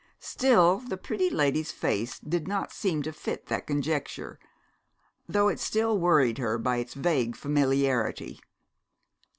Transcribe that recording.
Still the pretty lady's face did not seem to fit that conjecture, though it still worried her by its vague familiarity.